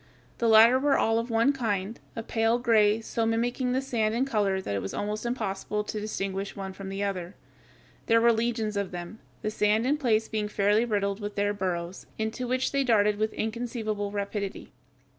The latter were all of one kind, a pale gray, so mimicking the sand in color that it was almost impossible to distinguish one from the other. There were legions of them, the sand in places being fairly riddled with their burrows, into which they darted with inconceivable rapidity.